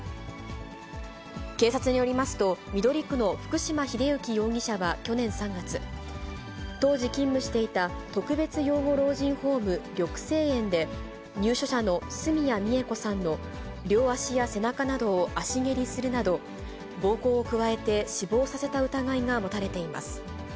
警察によりますと、緑区の福島栄行容疑者は去年３月、当時勤務していた特別養護老人ホーム、緑生苑で、入所者の角谷三枝子さんの両足や背中などを足蹴りするなど、暴行を加えて死亡させた疑いが持たれています。